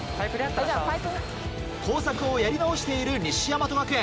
工作をやり直している西大和学園。